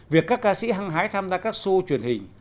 việc các ca sĩ hăng hái tham gia các show truyền hình